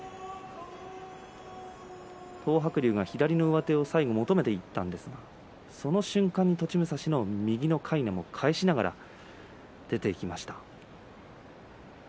東白龍が左の上手を最後求めていったんですがその瞬間に栃武蔵も右のかいなを返しながら出ていきました。